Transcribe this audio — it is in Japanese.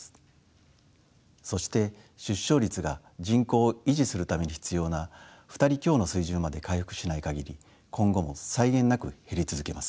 そして出生率が人口を維持するために必要な２人強の水準まで回復しない限り今後も際限なく減り続けます。